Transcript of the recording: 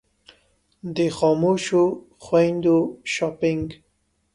د خاموشو خویندو شاپنګ.